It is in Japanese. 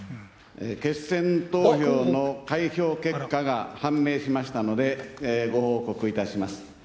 決選投票の開票結果が判明しましたので、ご報告いたします。